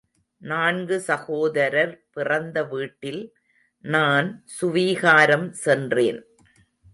நான்கு சகோதரர் பிறந்த வீட்டில் நான் சுவீகாரம் சென்றேன்.